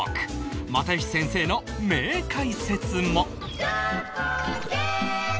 又吉先生の名解説も